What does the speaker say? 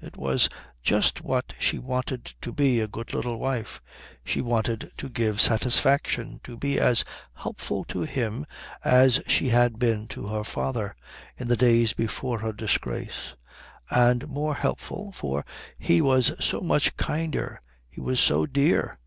It was just what she wanted to be a good little wife. She wanted to give satisfaction, to be as helpful to him as she had been to her father in the days before her disgrace; and more helpful, for he was so much kinder, he was so dear.